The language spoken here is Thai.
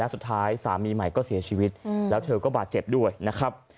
สุดท้ายสามีใหม่ก็เสียชีวิตแล้วเธอก็บาดเจ็บด้วยนะครับ